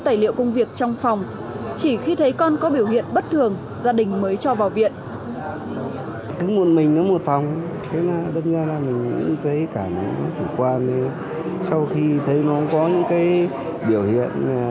tài liệu công việc trong phòng chỉ khi thấy con có biểu hiện bất thường gia đình mới cho vào viện